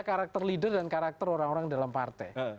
karakter leader dan karakter orang orang dalam partai